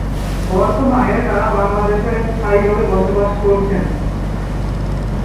বর্তমানে তারা বাংলাদেশে স্থায়ীভাবে বসবাস করছেন।